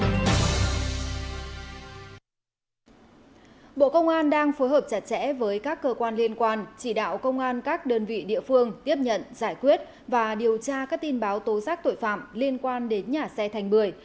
bộ công an đang phối hợp chặt chẽ với các cơ quan liên quan chỉ đạo công an các đơn vị địa phương tiếp nhận giải quyết và điều tra các tin báo tố giác tội phạm liên quan đến nhà xe thành bưởi